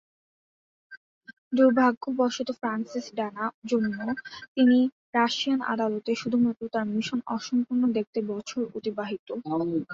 দুর্ভাগ্যবশত Francis Dana জন্য, তিনি রাশিয়ান আদালতে শুধুমাত্র তার মিশন অসম্পূর্ণ দেখতে বছর অতিবাহিত।